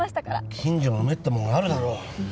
近所の目ってもんがあるだろ。